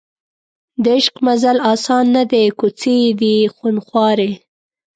د عشق مزل اسان نه دی کوڅې یې دي خونخوارې